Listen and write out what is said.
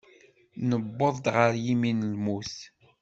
Newweḍ ɣer yimi n lmut.